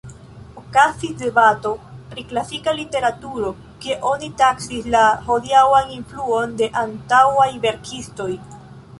Okazis debato pri klasika literaturo, kie oni taksis la hodiaŭan influon de antaŭaj verkistoj.